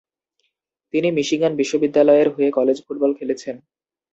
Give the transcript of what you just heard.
তিনি মিশিগান বিশ্ববিদ্যালয়ের হয়ে কলেজ ফুটবল খেলেছেন।